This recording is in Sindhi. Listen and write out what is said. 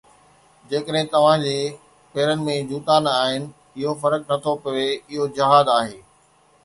جيڪڏهن توهان جي پيرن ۾ جوتا نه آهن، اهو فرق نٿو پوي، اهو جهاد آهي.